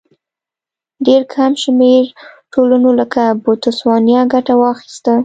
ډېر کم شمېر ټولنو لکه بوتسوانیا ګټه واخیسته.